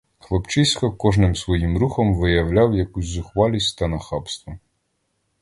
Хлопчисько кожним своїм рухом виявляв якусь зухвалість та нахабство.